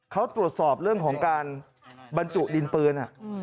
เขาตรวจสอบเรื่องของการบรรจุดินปืน